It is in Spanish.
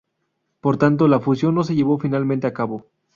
Por tanto, la fusión no se llevó finalmente a cabo.